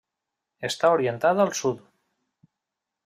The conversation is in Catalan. Està orientada al sud.